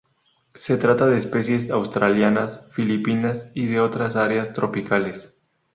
Se trata de especies australianas, filipinas y de otras áreas tropicales.